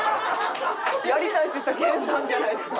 やりたいって言ったの研さんじゃないですか。